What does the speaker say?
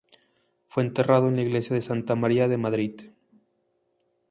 Fue enterrado en la iglesia de santa María de Madrid.